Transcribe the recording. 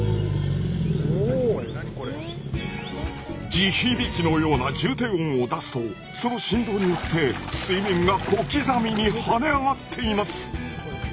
地響きのような重低音を出すとその振動によって水面が小刻みに跳ね上がっています！